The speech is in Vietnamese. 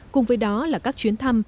cùng với đó là các chuyến thăm